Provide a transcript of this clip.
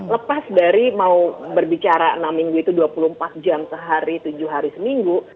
lepas dari mau berbicara enam minggu itu dua puluh empat jam sehari tujuh hari seminggu